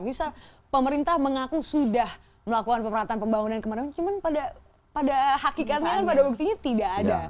misal pemerintah mengaku sudah melakukan pemerataan pembangunan kemarin cuman pada hakikatnya kan pada buktinya tidak ada